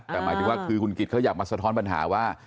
แต่หมายถึงคุณกิฟท์เค้าอยากมาสะท้อนปัญหาว่า